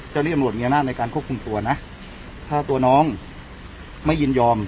เจ้าที่ตำรวจมีอำนาจในการควบคุมตัวนะถ้าตัวน้องไม่ยินยอม